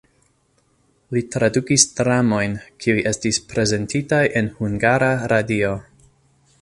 Li tradukis dramojn, kiuj estis prezentitaj en Hungara Radio.